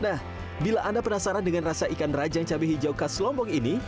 nah bila anda penasaran dengan rasa ikan rajang cabai hijau khas lombok ini